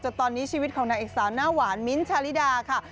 ตอนนี้ชีวิตของนางเอกสาวหน้าหวานมิ้นท์ชาลิดาค่ะ